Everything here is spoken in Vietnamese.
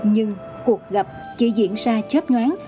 nhưng cuộc gặp chỉ diễn ra chết nhoáng